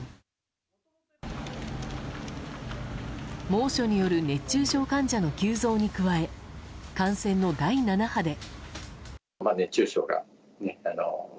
猛暑による熱中症患者の急増に加え感染の第７波で。